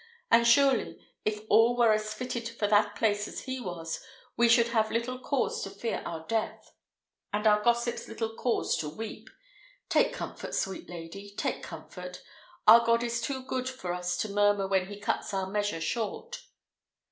And surely, if all were as well fitted for that place as he was, we should have little cause to fear our death, and our gossips little cause to weep. Take comfort, sweet lady! take comfort! Our God is too good for us to murmur when he cuts our measure short."